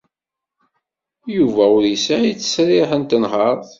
Yuba ur yesɛi ttesriḥ n tenhaṛt.